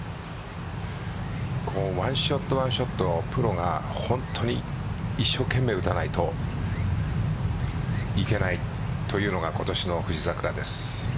１ショット、１ショットプロが本当に一生懸命打たないといけないというのが今年の富士桜です。